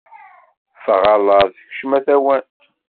Ffeɣ a laẓ, kcemm a tawant.